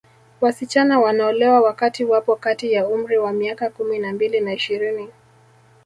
Wasichana wanaolewa wakati wapo kati ya umri wa miaka kumi na mbili na ishirini